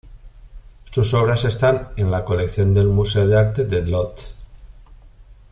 Sus obras están en la colección del Museo de Arte de Łódź.